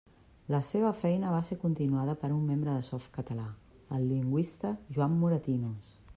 La seva feina va ser continuada per un membre de Softcatalà, el lingüista Joan Moratinos.